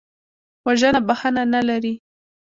وژنه بښنه نه لري